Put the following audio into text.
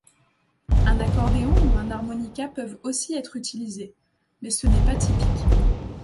Un accordéon ou un harmonica peuvent aussi être utilisés, mais ce n'est pas typique.